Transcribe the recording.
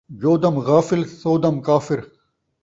جو دم غافل ، سو دم کافر